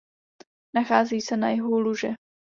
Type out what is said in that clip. Nachází se na jihu Luže.